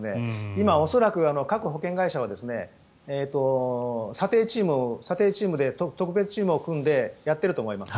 今、恐らく、各保険会社は査定チームで特別チームを組んでやっていると思います。